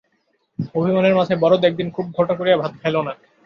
অভিমানের মাথায় বরদা একদিন খুব ঘটা করিয়া ভাত খাইল না।